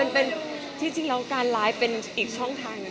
จริงแล้วการไลฟ์เป็นอีกช่องทางหนึ่ง